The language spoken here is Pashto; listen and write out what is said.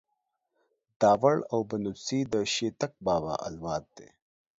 داوړ او بنوڅي ده شيتک بابا اولاد دې.